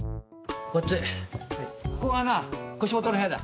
ここがな腰元の部屋だ。